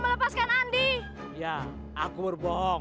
melepaskan andi ya aku berbohong